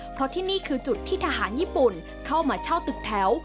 เพราะที่นี่คือจุดที่ทหารญี่ปุ่นเข้ามาเช่าตึกแถว